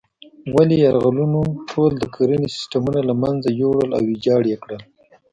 ولې یرغلونو ټول د کرنې سیسټمونه له منځه یوړل او ویجاړ یې کړل.